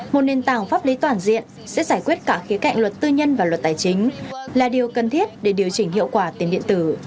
một nền tảng pháp lý toàn diện sẽ giải quyết cả khía cạnh luật tư nhân và luật tài chính là điều cần thiết để điều chỉnh hiệu quả tiền điện tử